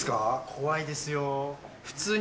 怖いですよ。